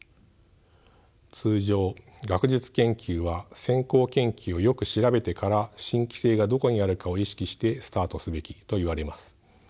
通常学術研究は先行研究をよく調べてから新規性がどこにあるかを意識してスタートすべきといわれます。